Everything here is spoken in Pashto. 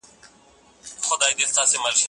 ته ولي انځور ګورې!.